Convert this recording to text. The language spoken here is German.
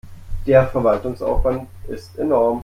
Der Verwaltungsaufwand ist enorm.